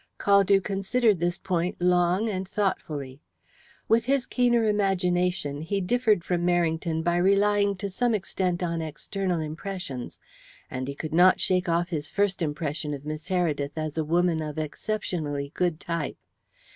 Caldew considered this point long and thoughtfully. With his keener imagination he differed from Merrington by relying to some extent on external impressions, and he could not shake off his first impression of Miss Heredith as a woman of exceptionally good type.